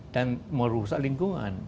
dan merusak lingkungan